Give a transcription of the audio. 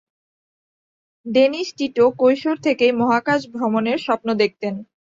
Danish Tito কৈশোর থেকেই মহাকাশ ভ্রমণের স্বপ্ন দেখতেন।